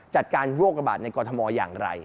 จัดการโรคระบาดในกรทมอย่างไร